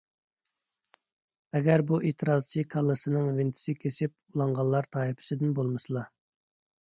ئەگەر بۇ ئېتىرازچى كاللىسىنىڭ ۋېنتىسى كېسىپ ئۇلانغانلار تائىپىسىدىن بولمىسىلا ...